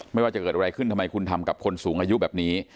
ไม่ว่าจะเกิดอะไรขึ้นทำไมคุณทำกับคนสูงอายุแบบนี้